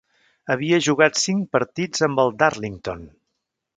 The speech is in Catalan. Havia jugat cinc partits amb el Darlington.